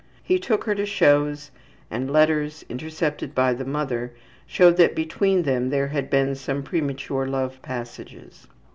He took her to shows, and letters, intercepted by the mother, showed that between them there had been some premature love passages.